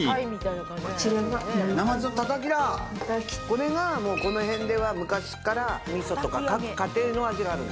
これがこの辺では昔から味噌とか各家庭の味がある。